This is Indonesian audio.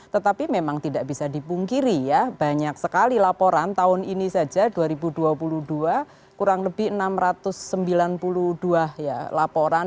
tetapi memang tidak bisa dipungkiri ya banyak sekali laporan tahun ini saja dua ribu dua puluh dua kurang lebih enam ratus sembilan puluh dua ya laporan